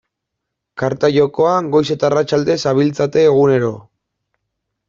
Karta jokoan goiz eta arratsalde zabiltzate egunero.